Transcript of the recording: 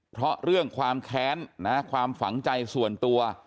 เพราะเรื่องความแค้นความฝังใจส่วนตัว